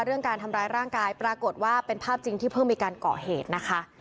เรื่องการทำร้ายร่างกายปรากฏว่าเป็นภาพจริงที่เพิ่งมีการก่อเหตุนะคะ